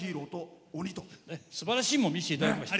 すばらしいものを見せていただきました。